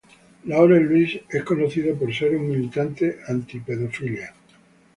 Laurent Louis es conocido por ser un militante anti-pedofilia.